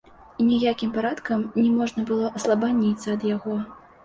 І ніякім парадкам не можна было аслабаніцца ад яго.